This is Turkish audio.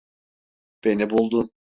Beni buldun.